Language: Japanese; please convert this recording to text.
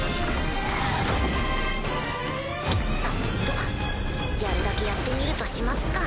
さてとやるだけやってみるとしますか。